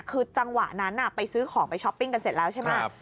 คือจังหวะนั้นไปซื้อของไปช้อปปิ้งกันเสร็จแล้วใช่ไหม